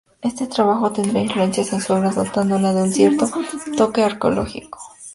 Este trabajo tendrá influencias en su obra, dotándola de un cierto "toque arqueológico".